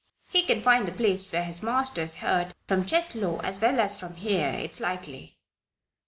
He can find the place where his master is hurt, from Cheslow as well as from here, it's likely."